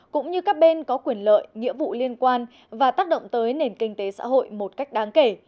cũng như các bên có quyền lợi nghĩa vụ liên quan và tác động tới nền kinh tế xã hội một cách đáng kể